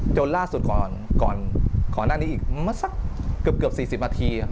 จนล่าสุดก่อนก่อนขอหน้านี้อีกมันสักเกือบเกือบสี่สิบนาที